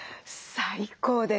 最高です。